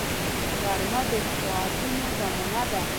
غرمه د طاعتونو زمان ده